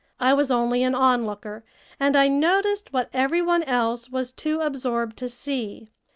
I was only an onlooker, and I noticed what every one else was too absorbed to see.